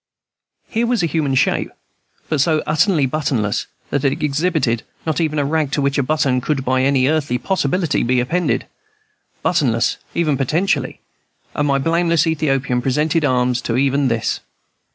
Here was a human shape, but so utterly buttonless that it exhibited not even a rag to which a button could by any earthly possibility be appended, button less even potentially; and my blameless Ethiopian presented arms to even this.